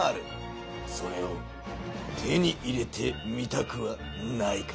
それを手に入れてみたくはないか？